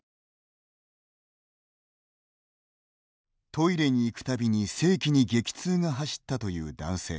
トイレに行く度に性器に激痛が走ったという男性。